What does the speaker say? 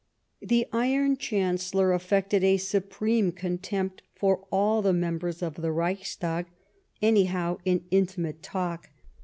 The Iron Chancellor affected a supreme contempt for all the members of the Reichstag, anyhow in intimate talk.